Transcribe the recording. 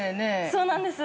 ◆そうなんです。